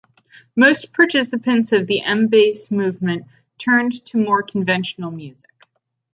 Most participants of the M-Base movement turned to more conventional music.